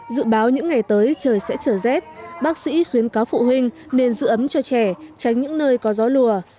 dự báo những ngày tới trời sẽ trở rét bác sĩ khuyến cáo phụ huynh nên giữ ấm cho trẻ tránh những nơi có gió lùa